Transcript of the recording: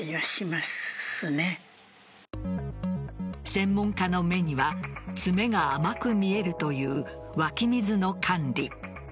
専門家の目には詰めが甘く見えるという湧き水の管理。